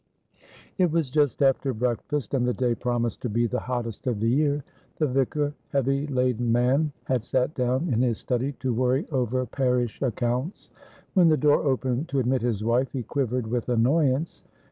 It was just after breakfast, and the day promised to be the hottest of the year. The vicar, heavy laden man, had sat down in his study to worry over parish accounts. When the door opened to admit his wife, he quivered with annoyance.